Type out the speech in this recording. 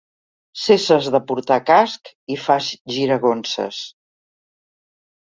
Cesses de portar casc i fas giragonses.